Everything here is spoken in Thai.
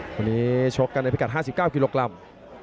วันนี้ชกกันในพิกัด๕๙กิโลกรัม